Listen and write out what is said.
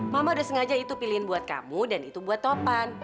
mama udah sengaja itu pilihan buat kamu dan itu buat topan